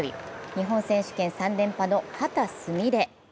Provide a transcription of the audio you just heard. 日本選手権３連覇の秦澄美鈴。